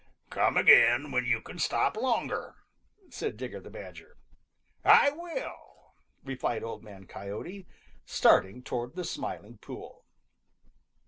"Come again when you can stop longer," said Digger the Badger. "I will," replied Old Man Coyote, starting toward the Smiling Pool.